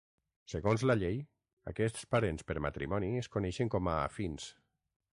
Segons la llei, aquests parents per matrimoni es coneixen com a afins.